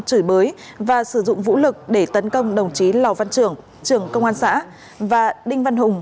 chửi bới và sử dụng vũ lực để tấn công đồng chí lò văn trưởng trưởng công an xã và đinh văn hùng